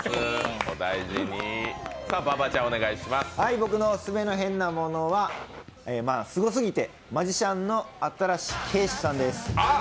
僕のオススメの変なものはすごすぎて、マジシャンの新子景視さんです。